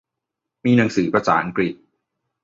มีหนังสือภาษาอังกฤษ